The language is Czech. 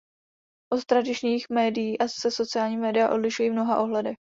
Od tradičních médií se sociální média odlišují v mnoha ohledech.